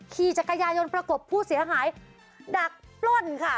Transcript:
ขี่จักรยายนประกบผู้เสียหายดักปล้นค่ะ